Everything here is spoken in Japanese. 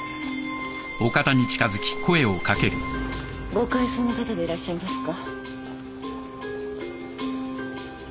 ご会葬の方でいらっしゃいますか？